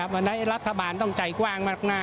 วันนี้รัฐบาลต้องใจกว้างมาก